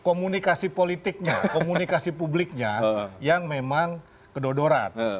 komunikasi politiknya komunikasi publiknya yang memang kedodoran